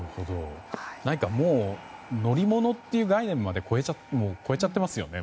何かもう乗り物という概念まで超えちゃってますよね。